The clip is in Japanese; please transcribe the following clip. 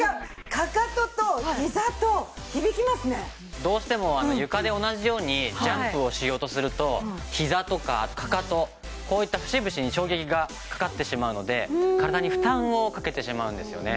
どうしても床で同じようにジャンプをしようとするとひざとかかかとこういった節々に衝撃がかかってしまうので体に負担をかけてしまうんですよね。